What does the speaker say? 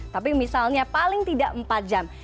tapi misalnya paling tidak empat jam